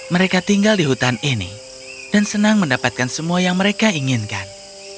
mereka tinggal di hutan ini dan senang mendapatkan semua yang mereka inginkan